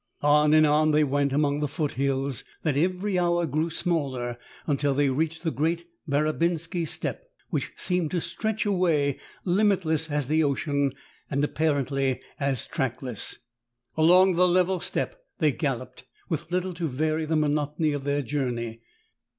On and on they went among the foot hills that every hour grew smaller until they reached the great Barabinsky steppe, which seemed to stretch away limitless as the ocean, and appar ently as trackless. Along the level steppe they galloped, with little to vary the monotony of their journey.